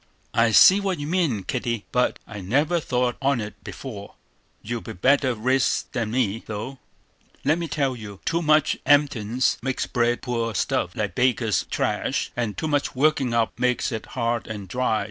"I see what you mean, Kitty; but I never thought on't before. You be better riz than me; though, let me tell you, too much emptins makes bread poor stuff, like baker's trash; and too much workin' up makes it hard and dry.